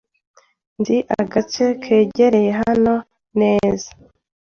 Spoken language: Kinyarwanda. Nzi agace kegereye hano neza.